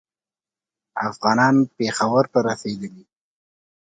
افغانان پېښور ته رسېدلي.